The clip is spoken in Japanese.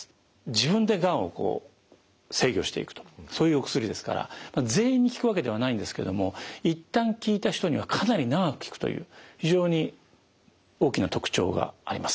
自分でがんを制御していくとそういうお薬ですから全員に効くわけではないんですけども一旦効いた人にはかなり長く効くという非常に大きな特徴があります。